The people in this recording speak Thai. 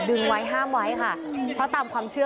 ดึงไว้ห้ามไว้ค่ะเพราะตามความเชื่อ